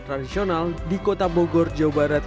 tradisional di kota bogor jawa barat